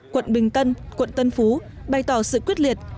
quận bình tân quận tân phú bày tỏ sự quyết liệt